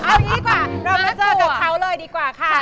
เอาอย่างนี้กว่าเรามาเจอกับเขาเลยดีกว่าค่ะ